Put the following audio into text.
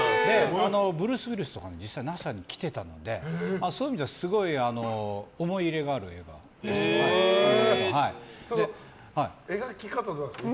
ブルース・ウィリスとかも実際にＮＡＳＡに来てたのでそういう意味では、すごい描き方とかはどうなんですか